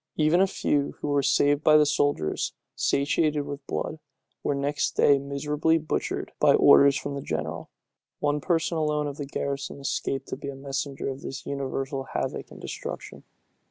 Even a few, who were saved by the soldiers, satiated with blood, were next day miserably butchered by orders from the general. One person alone of the garrison escaped to be a messenger of this universal havoc and destruction.